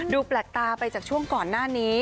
แปลกตาไปจากช่วงก่อนหน้านี้